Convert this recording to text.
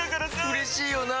うれしいよなぁ。